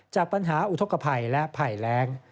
จากปัญหาอุทธกภัยและภัยแรง